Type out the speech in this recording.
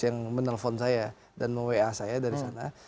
yang menelpon saya dan me wa saya dari sana